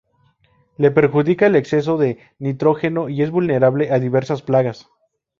Le perjudica el exceso de nitrógeno y es vulnerable a diversas plagas.